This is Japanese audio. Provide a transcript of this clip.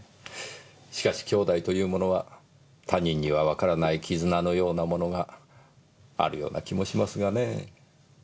しかし姉妹というものは他人にはわからない絆のようなものがあるような気もしますがねぇ。